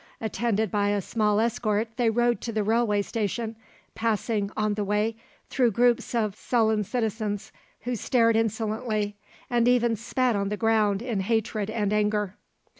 Attended by a small escort they rode to the railway station, passing, on the way, through groups of sullen citizens who stared insolently, and even spat on the ground in hatred and anger.